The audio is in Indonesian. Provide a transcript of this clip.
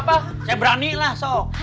gak apa apa saya berani lah sok